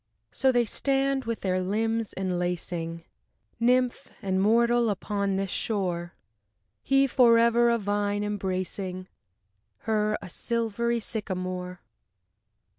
So they stand with their limbs enlacing, Nymph and mortal, upon this shore, He forever a vine embracing Her, a silvery sycamore.